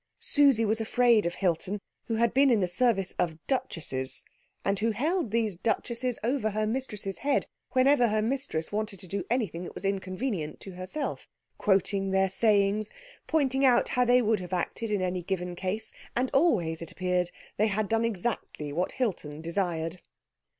Susie was afraid of Hilton, who had been in the service of duchesses, and who held these duchesses over her mistress's head whenever her mistress wanted to do anything that was inconvenient to herself; quoting their sayings, pointing out how they would have acted in any given case, and always, it appeared, they had done exactly what Hilton desired.